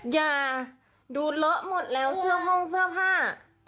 อย่าดูเลอะหมดแล้วเสื้อห้องเสื้อผ้า